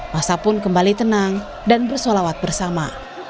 masa pun kembali tenang dan bersolawat bersama